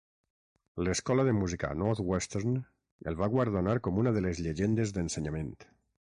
L'Escola de Música Northwestern el va guardonar com una de les Llegendes d'Ensenyament.